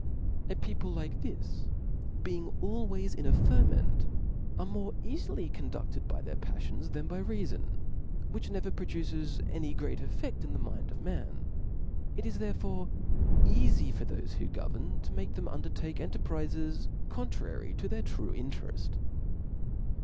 A people like this being always in a ferment, are more eafily conduced by their paflions than by rea* fon, which hever produces any great effeft in the mind of man ; it is therefore cafy for thofe who govern, to make them undertake cntefprizes con^ trary to their true intereft.